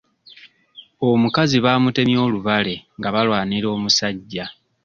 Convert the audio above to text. Omukazi baamutemye olubale nga balwanira omusajja.